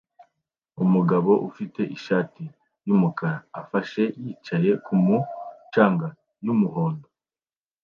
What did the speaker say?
Umugabo ufite ishati yumukara ufashe yicaye kumu canga yumuhondo